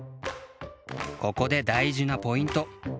ここでだいじなポイント。